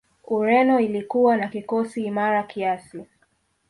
ureno ilikuwa na kikosi imara kiasi